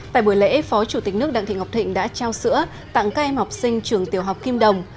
tại buổi lễ phó chủ tịch nước đặng thị ngọc thịnh đã trao sữa tặng các em học sinh trường tiểu học kim đồng